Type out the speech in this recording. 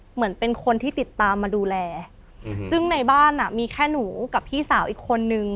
เหมือนเป็นคนที่ติดตามมาดูแลซึ่งในบ้านอ่ะมีแค่หนูกับพี่สาวอีกคนนึง